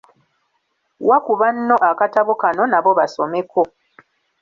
Wa ku banno akatabo kano nabo basomeko.